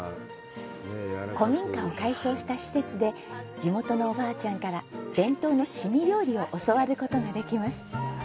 古民家を改装した施設で地元のおばあちゃんから伝統の凍み料理を教わることができます。